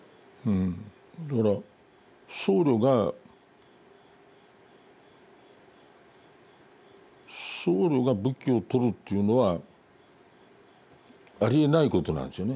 だから僧侶が僧侶が武器を取るというのはありえないことなんですよね本来。